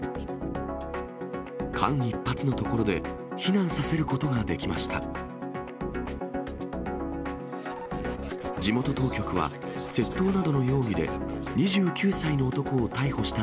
間一髪のところで、避難させることができました。